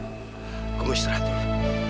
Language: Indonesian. aku mau istirahat dulu